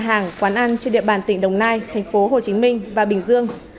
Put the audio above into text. các nhà hàng quán ăn trên địa bàn tỉnh đồng nai tp hồ chí minh và bình dương